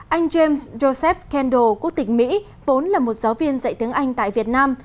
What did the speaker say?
anh james joseph kendal quốc tịch mỹ vốn là một giáo viên dạy tiếng anh tại việt nam